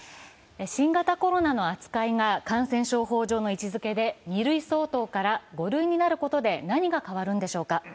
新型コロナの扱いが感染症法上の位置づけで２類相当から５類になることで何が変わるのでしょうか。